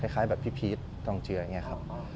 คล้ายแบบพี่พีชทองเจืออย่างนี้ครับ